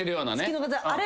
あれ。